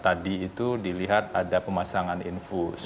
tadi itu dilihat ada pemasangan infus